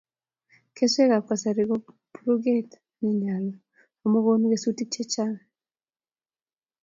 Keswekab kasari ko buruket nenyoulu amu konu kesutik chechang